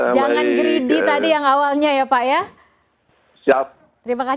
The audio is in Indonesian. jangan greedy tadi yang awalnya ya pak